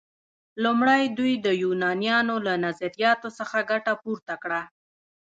لومړی دوی د یونانیانو له نظریاتو څخه ګټه پورته کړه.